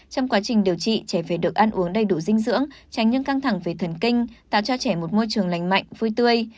trong quá trình điều trị trẻ về được ăn uống đầy đủ dinh dưỡng tránh những căng thẳng về thần kinh tạo cho trẻ một môi trường lành mạnh vui tươi